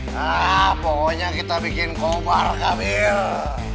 nah pokoknya kita bikin kobar gamil